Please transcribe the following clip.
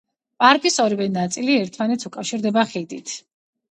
პარკის ორივე ნაწილი ერთმანეთს უკავშირდება ხიდით.